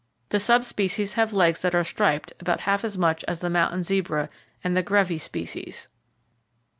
The sub species have legs that are striped about half as much as the mountain zebra and the Grevy species.